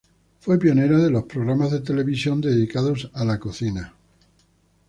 Fue pionera de los programas de televisión dedicados a la cocina.